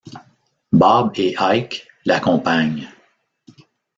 Bob et Ike l'accompagnent.